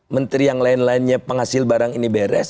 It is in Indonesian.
menteri yang lain lainnya penghasil barang ini beres